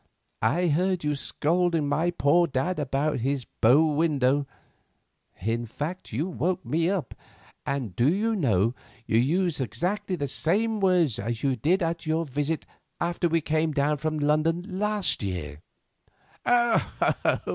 "I heard you scolding my poor dad about his bow window. In fact, you woke me up; and, do you know, you used exactly the same words as you did at your visit after we came down from London last year."